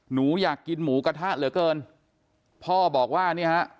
หนูอยากกินหมูกระทะเหลือเกินพ่อบอกว่าเนี่ยฮะ